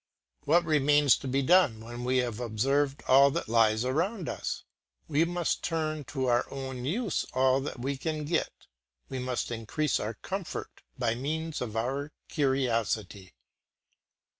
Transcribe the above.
What remains to be done when we have observed all that lies around us? We must turn to our own use all that we can get, we must increase our comfort by means of our curiosity.